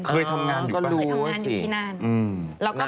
เคยทำงานอยู่ที่นั่นอ๋อก็รู้สิอืม